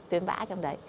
tuyến bã ở trong đấy